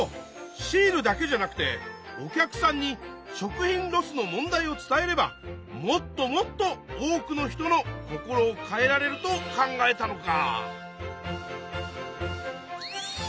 シールだけじゃなくてお客さんに食品ロスの問題を伝えればもっともっと多くの人の心を変えられると考えたのか！